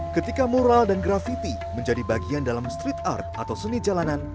ketika mural dan grafiti menjadi bagian dalam street art atau seni jalanan